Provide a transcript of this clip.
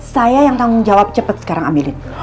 saya yang tanggung jawab cepet sekarang ambilin